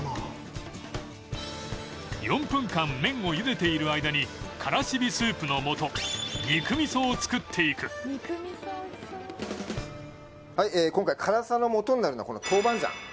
４分間麺を茹でている間にカラシビスープのもと肉味噌を作っていく今回辛さのもとになるのはこの豆板醤